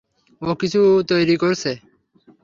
ও কিছু তৈরি করছে।